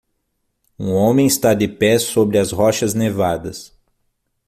Um homem está de pé sobre as rochas nevadas.